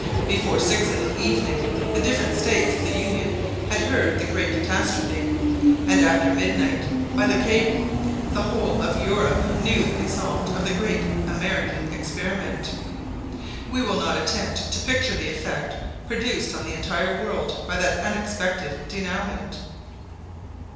Before six in the evening the different States of the Union had heard the great catastrophe; and after midnight, by the cable, the whole of Europe knew the result of the great American experiment. We will not attempt to picture the effect produced on the entire world by that unexpected denouement.